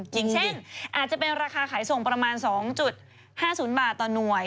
อย่างเช่นอาจจะเป็นราคาขายส่งประมาณ๒๕๐บาทต่อหน่วย